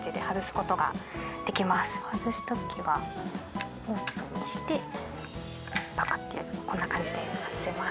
外す時はオープンにしてパカッてやるとこんな感じで外せます。